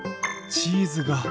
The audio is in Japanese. チーズが。